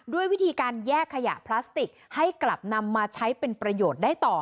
ด้วยวิธีการแยกขยะพลาสติกให้กลับนำมาใช้เป็นประโยชน์ได้ต่อ